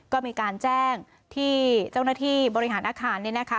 ก็มีการแจ้งที่เจ้าหน้าที่บริหารอาคารเนี่ยนะคะ